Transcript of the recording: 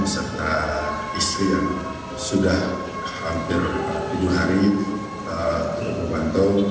serta istri yang sudah hampir tujuh hari di bandung